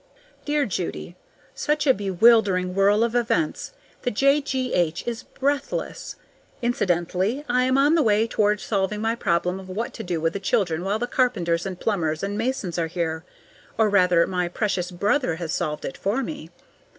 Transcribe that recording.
Dear Judy: Such a bewildering whirl of events! The J. G. H. is breathless. Incidentally, I am on the way toward solving my problem of what to do with the children while the carpenters and plumbers and masons are here. Or, rather, my precious brother has solved it for me.